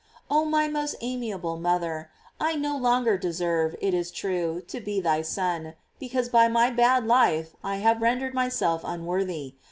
Oh, my most amiable mother! I no long ' er deserve, it is true, to be thy son, because by my bad life I have rendered myself unworthy.